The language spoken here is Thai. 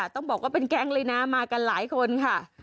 ต้องบอกว่าเป็นแก๊งเลยนะมากันหลายคนค่ะ